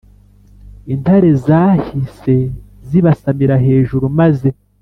Intare zahise zibasamira hejuru maze